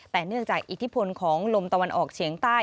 แต่เนื่องจากอิทธิพลของลมตะวันออกเฉียงใต้